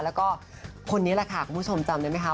แล้วก็คนนี้แหละค่ะคุณผู้ชมจำได้ไหมคะ